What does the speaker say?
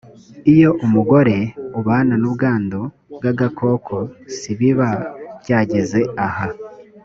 iyo umugore ubana n ubwandu bw agakoko sibiba byageze aha